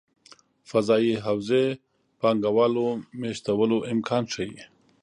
قضايي حوزې پانګه والو مېشتولو امکان ښيي.